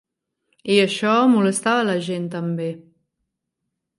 I això molestava a la gent també.